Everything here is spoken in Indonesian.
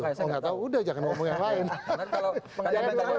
saya nggak tahu udah jangan ngomong yang lain